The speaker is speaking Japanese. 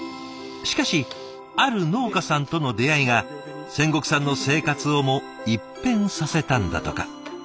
しかしある農家さんとの出会いが仙石さんの生活をも一変させたんだとか。